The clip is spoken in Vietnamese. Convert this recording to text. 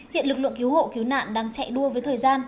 hiện lực lượng cứu hộ cứu nạn đang chạy đua với thời gian